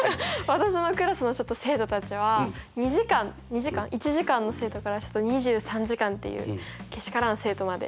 私のクラスの生徒たちは２時間１時間の生徒からちょっと２３時間っていうけしからん生徒まで幅が広い。